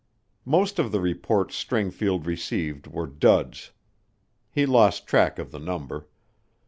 Most of the reports Stringfield received were duds. He lost track of the number.